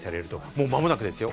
もうまもなくですよ。